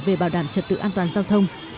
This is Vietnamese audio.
về bảo đảm trật tự an toàn giao thông